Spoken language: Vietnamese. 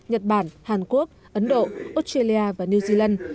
nhật bản hàn quốc ấn độ australia và new zealand